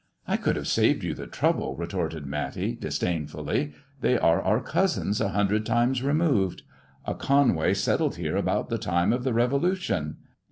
" I could have saved you the trouble," retorted Matty, disdainfully; "they are our cousins a hundred times removed. A Conway settled here about the time of the Revolution.